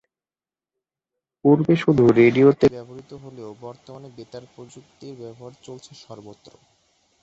পূর্বে শুধু রেডিওতে ব্যবহৃত হলেও বর্তমানে বেতার প্রযুক্তির ব্যবহার চলছে সর্বত্র।